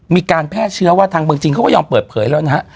มีการแพร่เชื้อว่าในเมืองจริงเขายอมเปิดเผยแล้วนะ